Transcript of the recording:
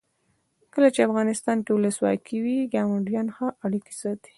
کله چې افغانستان کې ولسواکي وي ګاونډیان ښه اړیکې ساتي.